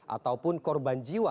ataupun korban jiwa